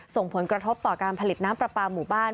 ส่งผลกระทบต่อการผลิตน้ำปลาปลาหมู่บ้าน